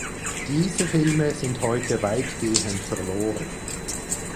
Diese Filme sind heute weitgehend verloren.